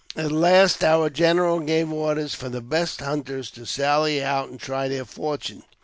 51 At last our general gave orders for the best hunters to sally out and try their fortune.